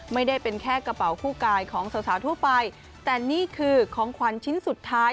ไม่ได้เป็นแค่กระเป๋าคู่กายของสาวสาวทั่วไปแต่นี่คือของขวัญชิ้นสุดท้าย